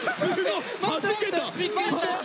はじけた。